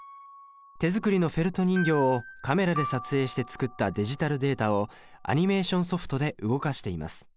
手作りのフェルト人形をカメラで撮影して作ったディジタルデータをアニメーションソフトで動かしています。